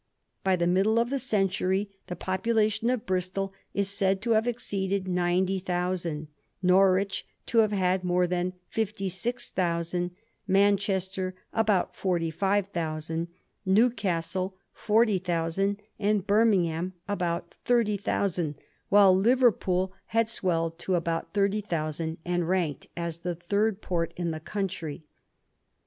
By the middle of the century the population of Bristol is said to have exceeded ninety thousand ; Norwich to have had more than fifty six thousand ; Manchester about forty five thousand ; Newcastle forty thousand ; and Birmingham about thirty thousand, while Liverpool had swelled to about Digiti zed by Google 1714 PACATA HIBERNIA. 105 thirty thousand, and ranked as the third port in the <x)untry.